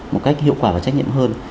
một cách hiệu quả và trách nhiệm hơn